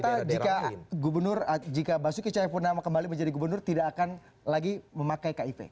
singkat kata jika gubernur jika basuki cahaya purnama kembali menjadi gubernur tidak akan lagi memakai kjp